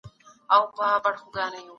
که علمي مواد وي نو ځوانان نه محرومیږي.